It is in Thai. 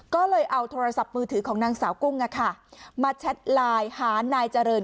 ก็เลยเอาโทรศัพท์มือถือของนางสาวกุ้งมาแชทไลน์หานายเจริญ